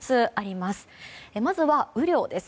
まずは雨量です。